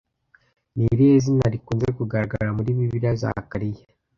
Ni irihe zina rikunze kugaragara muri Bibiliya Zakariya?